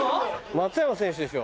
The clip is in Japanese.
松山選手でしょ。